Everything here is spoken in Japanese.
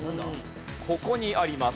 ここにあります